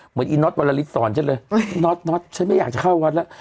เหมือนอีนล๊อตวรรฤทธิ์สอนชะเลยน๊อตน๊อตฉันไม่อยากจะเข้าวัดละ